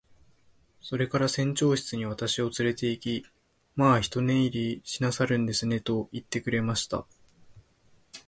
それから船長室に私をつれて行き、「まあ一寝入りしなさるんですね。」と言ってくれました。